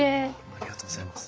ありがとうございます。